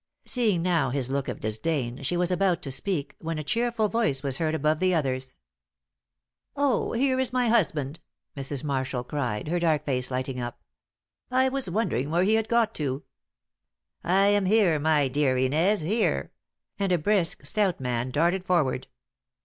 Seeing now his look of disdain, she was about to speak, when a cheerful voice was heard above the others. "Oh, here is my husband," Mrs. Marshall cried, her dark face lighting up. "I was wondering where he had got to." "I am here, my dear Inez, here," and a brisk, stout man darted forward.